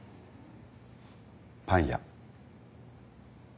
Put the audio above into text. パン屋。